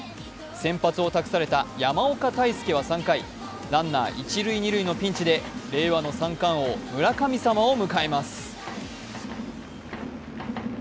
先発を託された山岡泰輔は３回、ランナー、一・二塁のピンチで令和の三冠王・村神様を迎えます。